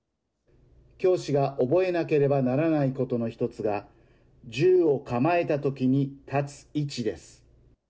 教師が覚えなければならないことの１つが銃を構えたときに立つ位置です。